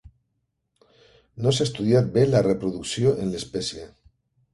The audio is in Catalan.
No s'ha estudiat bé la reproducció en l'espècie.